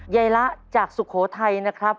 ยายละจากสุโขทัยนะครับ